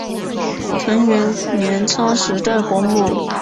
藤原镰仓时代国母。